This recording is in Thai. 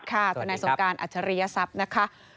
ค่ะคณะสมการอัตรียศัพท์นะคะ